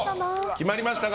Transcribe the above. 決まりましたか？